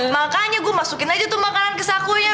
makanya gue masukin aja tuh makanan ke sakunya